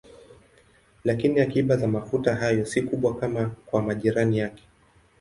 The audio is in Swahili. Lakini akiba za mafuta hayo si kubwa kama kwa majirani yake.